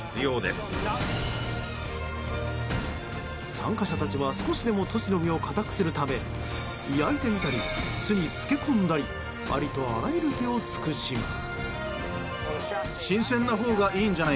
参加者たちは少しでもトチの実を硬くするため焼いてみたり、酢に漬け込んだりありとあらゆる手を尽くします。